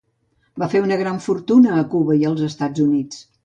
Va fer una gran fortuna a Cuba i els Estats Units.